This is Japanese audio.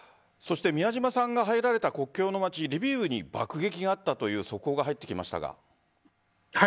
宮嶋さんが入られた国境の町・リビウに爆撃があったという速報が入ってきましたが。